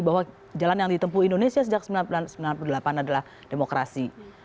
bahwa jalan yang ditempuh indonesia sejak seribu sembilan ratus sembilan puluh delapan adalah demokrasi